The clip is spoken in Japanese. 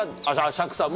釈さん